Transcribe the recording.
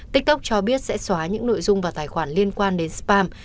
tiktok cho biết sẽ xóa những nội dung và tài khoản liên quan đến spam